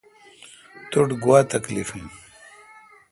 تو ٹھ گوا تکلیف این؟